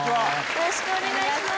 よろしくお願いします